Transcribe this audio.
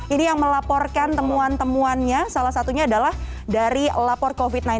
ini yang melaporkan temuan temuannya salah satunya adalah dari lapor covid sembilan belas